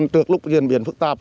trước lúc diễn biến phức tạp